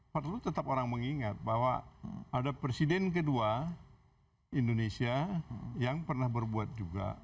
perlu tetap orang mengingat bahwa ada presiden kedua indonesia yang pernah berbuat juga